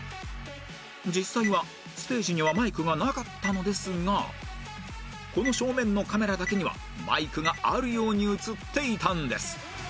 実際はステージにはマイクがなかったのですがこの正面のカメラだけにはマイクがあるように映っていたんです